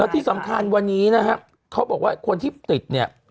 ที่สำคัญวันนี้นะครับเขาบอกว่าคนที่ติดเนี่ย